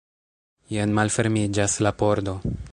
Jen malfermiĝas la pordo.